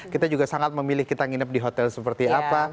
kita juga sangat memilih kita nginep di hotel seperti apa